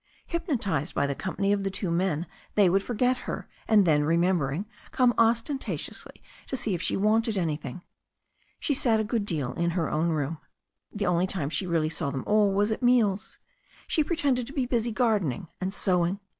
Hypnotized by the company of the two men they would forget her, and then, remembering, come ostentatiously to see if she wanted anything. She sat a good deal in her own room. The only time she really saw them all was at meals. She pre tended to be busy gardening and sewing.